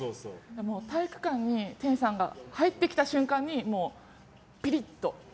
体育館に、てんさんが入ってきた瞬間にピリッと。